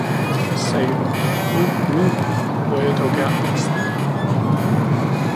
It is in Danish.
sagde hun, oh Gud, hvor jeg dog gerne ville se det!